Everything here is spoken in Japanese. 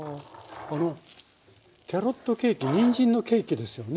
あのキャロットケーキにんじんのケーキですよね？